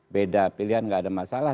beda pilihan nggak ada masalah